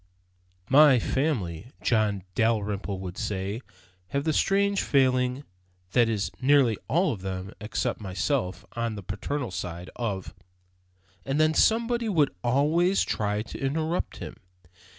"My Family," John Dalrymple would say, "have the strange failing (that is, nearly all of them except myself, on the paternal side) of " And then somebody would always try to interrupt him.